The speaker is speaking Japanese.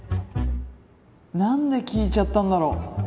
何で聞いちゃったんだろう。